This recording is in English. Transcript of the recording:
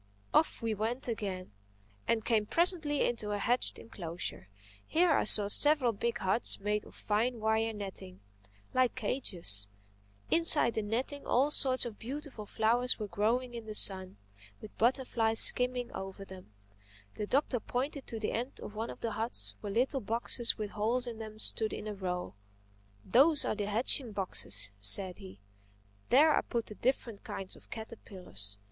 Off we went again and came presently into a hedged enclosure. Here I saw several big huts made of fine wire netting, like cages. Inside the netting all sorts of beautiful flowers were growing in the sun, with butterflies skimming over them. The Doctor pointed to the end of one of the huts where little boxes with holes in them stood in a row. "Those are the hatching boxes," said he. "There I put the different kinds of caterpillars.